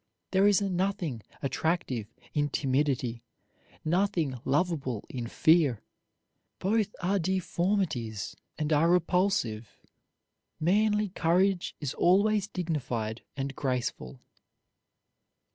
There is nothing attractive in timidity, nothing lovable in fear. Both are deformities and are repulsive. Manly courage is always dignified and graceful.